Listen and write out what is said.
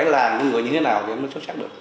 làm người như thế nào mới xuất sắc được